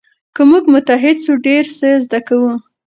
که موږ متحد سو ډېر څه زده کوو.